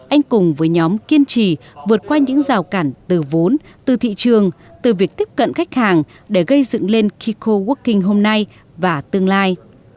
anh cùng với nhóm kiên trì vượt qua những rào cản từ vốn từ thị trường từ việc tiếp cận khách hàng để gây dựng lên kiko working hôm nay và tương lai